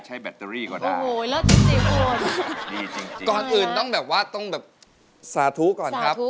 เจลเบรกเรียบร้อยแล้วครับ